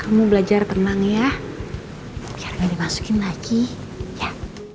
kamu belajar tenang ya biar gak dimasukin lagi ya